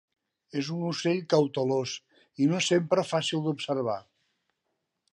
És un ocell cautelós i no sempre fàcil d'observar.